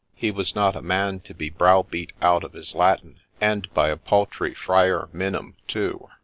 He was not a man to be browbeat out of his Latin, — and by a paltry Friar Minim, too.